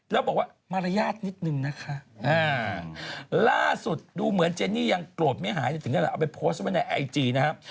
แล้วบอกว่ามารยาทนิดนึงนะคะล่าสุดดูเหมือนเจนี่ยังโกรธไม่หายถึงขนาดเอาไปโพสต์ไว้ในไอจีนะครับ